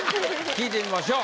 聞いてみましょう。